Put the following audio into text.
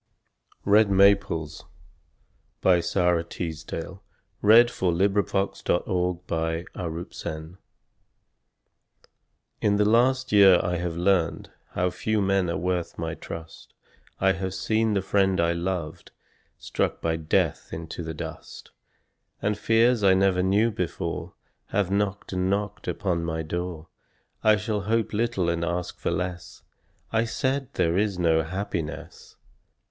e from the peace of those Who are not lonely, having died. Red Maples In the last year I have learned How few men are worth my trust; I have seen the friend I loved Struck by death into the dust, And fears I never knew before Have knocked and knocked upon my door "I shall hope little and ask for less," I said, "There is no happiness."